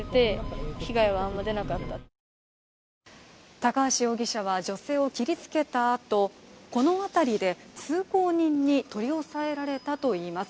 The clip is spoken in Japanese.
高橋容疑者は女性を切りつけた後、このあたりで通行人に取り押さえられたといいます。